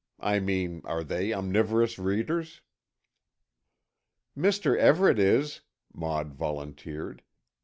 I mean, are they omnivorous readers?" "Mr. Everett is," Maud volunteered.